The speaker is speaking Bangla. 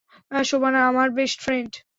শোবানা, আমার বেস্ট ফ্রেন্ড।